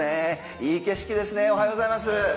いい景色ですねおはようございます。